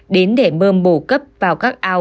đến để bơm bổ cấp vào các ao